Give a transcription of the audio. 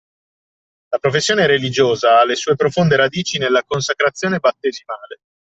La professione religiosa ha le sue profonde radici nella consacrazione battesimale